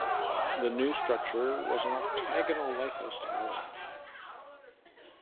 The new structure was an octagonal lighthouse tower.